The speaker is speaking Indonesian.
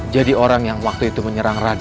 jadi orang yang waktu itu menyerang rakyat